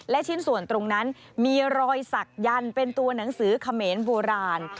และชิ้นส่วนตรงนั้นมีรอยสักยันต์เป็นตัวหนังสือเขมรโบราณ